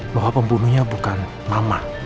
bahwa pembunuhnya bukan mama